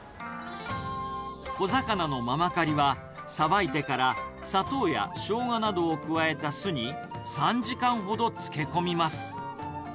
小魚のママカリは、さばいてから砂糖やショウガなどを加えた酢に、３時間ほど漬け込みます。